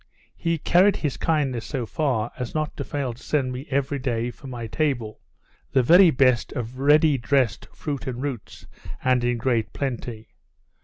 He carried his kindness so far, as not to fail to send me every day, for my table, the very best of ready dressed fruit and roots, and in great plenty.